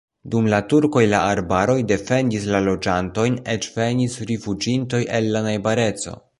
Dum la turkoj la arbaroj defendis la loĝantojn, eĉ venis rifuĝintoj el la najbareco.